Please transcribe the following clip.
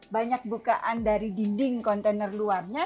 banyak bukaan dari dinding kontainer luarnya